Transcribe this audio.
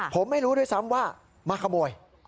ผมไม่รู้ด้วยซ้ำว่ามาขโมย